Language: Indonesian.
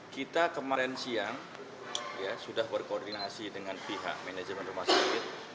kita kemarin siang sudah berkoordinasi dengan pihak manajemen rumah sakit